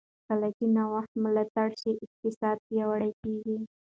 کله چې نوښت ملاتړ شي، اقتصاد پیاوړی کېږي.